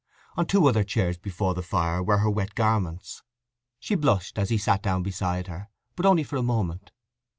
On two other chairs before the fire were her wet garments. She blushed as he sat down beside her, but only for a moment.